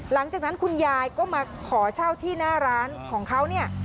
หลังจากนั้นคุณยายก็มาขอเช่าที่หน้าร้านของเขาเนี่ย